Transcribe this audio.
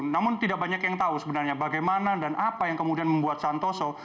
namun tidak banyak yang tahu sebenarnya bagaimana dan apa yang kemudian membuat santoso